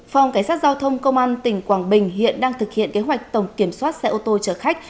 phòng cảnh sát giao thông công an tỉnh quảng bình hiện đang thực hiện kế hoạch tổng kiểm soát xe ô tô chở khách